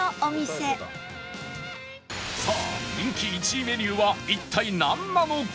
さあ人気１位メニューは一体なんなのか？